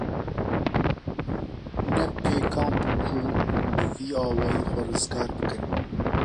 Ne pêkan bû ku bi vî awayî xwe rizgar bikin.